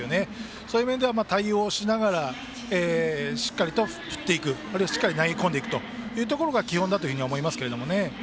そういう面では対応しながらしっかり振っていくあるいはしっかり投げ込んでいくことが基本だと思います。